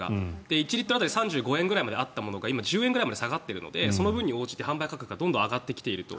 １リットル当たり３５円ぐらいまであったものが今、１０円ぐらいまで下がっているのでその分に応じて価格がどんどん上がってきていると。